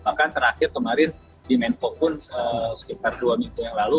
bahkan terakhir kemarin di menko pun sekitar dua minggu yang lalu